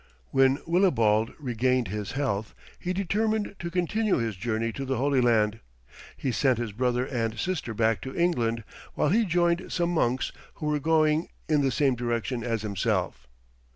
When Willibald regained his health, he determined to continue his journey to the Holy Land. He sent his brother and sister back to England, while he joined some monks who were going in the same direction as himself.